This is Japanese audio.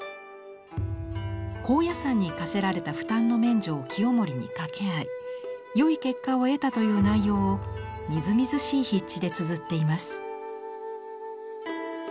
高野山に課せられた負担の免除を清盛に掛け合い良い結果を得たという内容をみずみずしい筆致でつづっています。